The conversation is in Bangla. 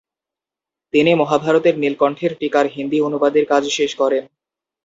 তিনি মহাভারতের নীলকণ্ঠের টীকার হিন্দি অনুবাদের কাজ শেষ করেন ।